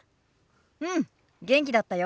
うん元気だったよ。